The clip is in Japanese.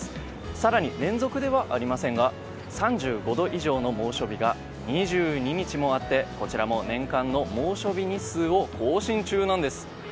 更に、連続ではありませんが３５度以上の猛暑日が２２日もあってこちらも年間の猛暑日日数を更新中なんです。